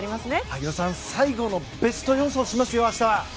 萩野さん、最後のベスト予想しますよ、明日。